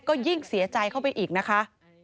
ก็ยิ่งเสียใจเข้าไปอีกนะคะ